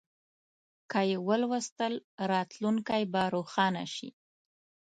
که یې ولوستل، راتلونکی به روښانه شي.